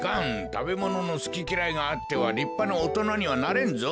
たべもののすききらいがあってはりっぱなおとなにはなれんぞ。